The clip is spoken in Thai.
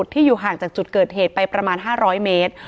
ที่อยู่ห่างจากจุดเกิดเหตุไปประมาณ๕๐๐เมตร